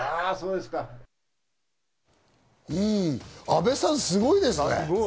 阿部さん、すごいですね。